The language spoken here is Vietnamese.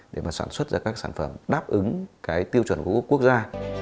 để mà sản xuất ra các sản phẩm đáp ứng cái tiêu chuẩn của quốc gia